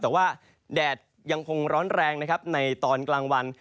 แต่ว่าแดดยังคงร้อนแรงนะครับในตอนกลางวัน